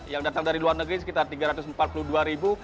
yang datang dari luar negeri sekitar tiga ratus empat puluh dua ribu